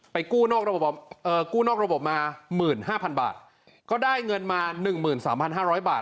กู้นอกระบบกู้นอกระบบมา๑๕๐๐๐บาทก็ได้เงินมา๑๓๕๐๐บาท